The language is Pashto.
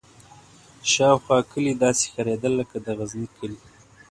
شاوخوا کلي داسې ښکارېدل لکه د غزني کلي.